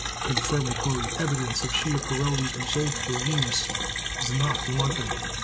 Confirmatory evidence of Schiaparelli's result for Venus is not wanting.